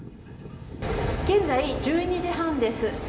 現在１２時半です。